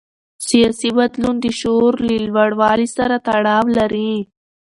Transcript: سیاسي بدلون د شعور له لوړوالي سره تړاو لري